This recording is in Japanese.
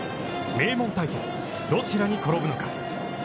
名門対決、どちらに転ぶのか。